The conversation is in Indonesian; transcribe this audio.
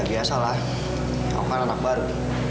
biasalah aku kan anak baru